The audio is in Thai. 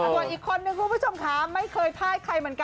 ส่วนอีกคนนึงคุณผู้ชมค่ะไม่เคยพ่ายใครเหมือนกัน